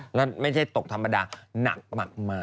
ประเภทที่ป้องกันคือนักมากมาก